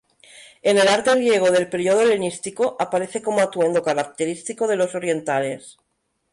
En el arte griego del periodo helenístico aparece como atuendo característico de los orientales.